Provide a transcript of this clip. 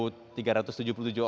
yang akan diterima adalah